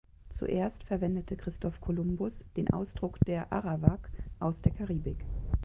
Zuerst verwendete Christoph Kolumbus den Ausdruck der Arawak aus der Karibik.